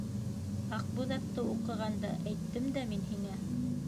«Аҡбуҙат»ты уҡығанда әйттем дә мин һиңә!